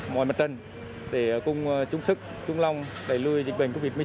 mọi mặt để cùng chung sức chung lòng đẩy lùi dịch bệnh covid một mươi chín